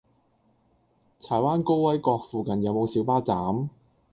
柴灣高威閣附近有無小巴站？